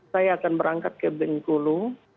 saya akan berangkat ke bengkulu